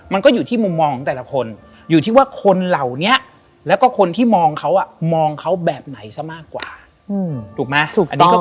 ไม่เว้นเท่ากองนี้นะครับ